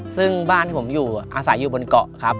ซึ่งบ้านที่ผมอยู่อาศัยอยู่บนเกาะครับ